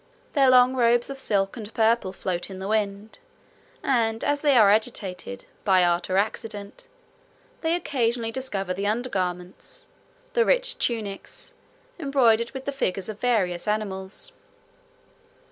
Their long robes of silk and purple float in the wind; and as they are agitated, by art or accident, they occasionally discover the under garments, the rich tunics, embroidered with the figures of various animals.